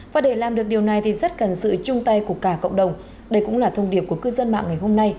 và để làm được điều này thì rất cần sự chung tay của cả cộng đồng đây cũng là thông điệp của cư dân mạng ngày hôm nay